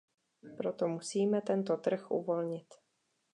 Proto musíme tento trh uvolnit.